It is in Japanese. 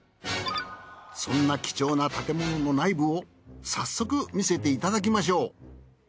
そんな貴重な建物の内部を早速見せていただきましょう。